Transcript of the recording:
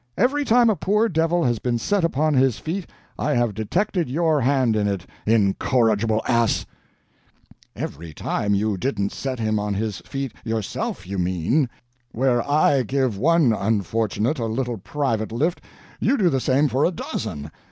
Every time a poor devil has been set upon his feet I have detected your hand in it incorrigible ass!" "Every time you didn't set him on his feet yourself, you mean. Where I give one unfortunate a little private lift, you do the same for a dozen.